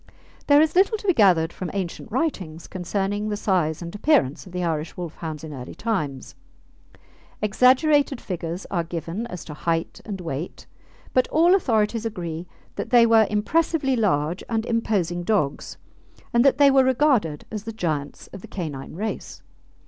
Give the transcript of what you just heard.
There is little to be gathered from ancient writings concerning the size and appearance of the Irish Wolfhounds in early times. Exaggerated figures are given as to height and weight; but all authorities agree that they were impressively large and imposing dogs, and that they were regarded as the giants of the canine race.